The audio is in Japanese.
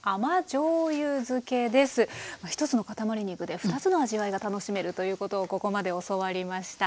１つのかたまり肉で２つの味わいが楽しめるということをここまで教わりました。